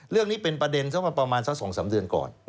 เรื่องนี้เป็นประเด็นสักประมาณสัก๒๓เดือนก่อน